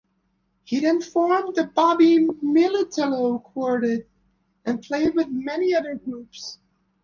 He then formed the Bobby Militello Quartet, and played with many other groups.